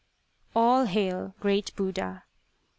" (All hail, Great Buddha